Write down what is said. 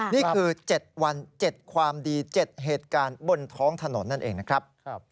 นี่คือเจ็ดวันเจ็ดความดีเจ็ดเหตุการณ์บนท้องถนนนั่นเองนะครับ